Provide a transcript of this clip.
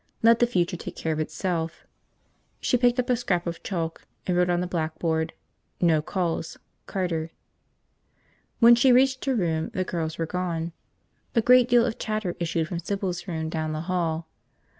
Let the future take care of itself. She picked up a scrap of chalk and wrote on the blackboard, "No calls. Carter." When she reached her room the girls were gone. A great deal of chatter issued from Sybil's room down the hall.